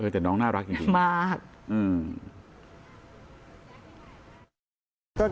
แต่น้องน่ารักจริงมาก